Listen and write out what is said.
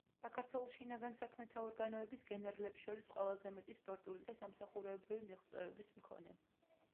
საქართველოს შინაგან საქმეთა ორგანოების გენერლებს შორის ყველაზე მეტი სპორტული და სამსახურებრივი მიღწევების მქონე.